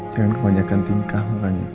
jangan kemanjakan tingkah